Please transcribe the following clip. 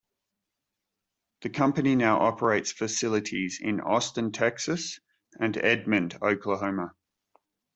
The company now operates facilities in Austin, Texas and Edmond, Oklahoma.